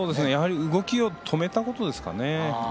動きを止めたことですかね。